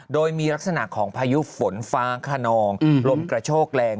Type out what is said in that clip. โดยมีลักษณะของพายุฝนฟ้าขนองลมกระโชกแรง